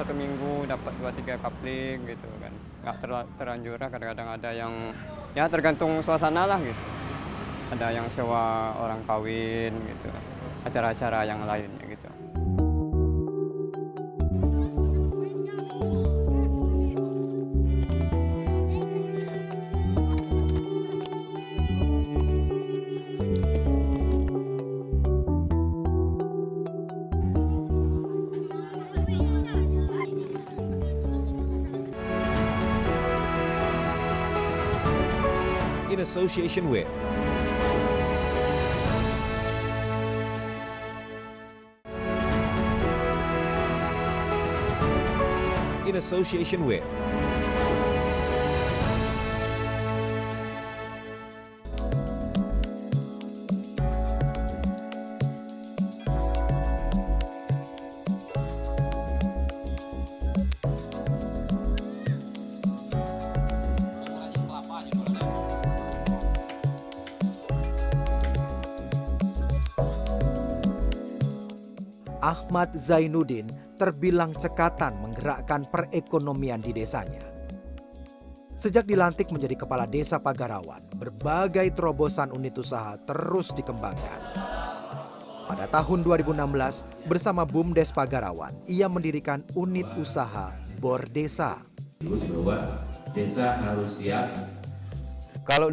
untuk pengguna peralatan penyewaan peralatan ini mencapai dua belas juta empat ratus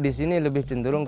ribu rupiah